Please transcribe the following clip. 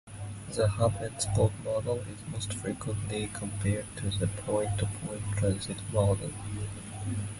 The hub-and-spoke model is most frequently compared to the point-to-point transit model.